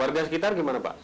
warga sekitar gimana pak